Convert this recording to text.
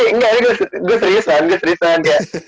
engga ini gue seriusan